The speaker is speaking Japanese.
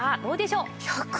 どうでしょう？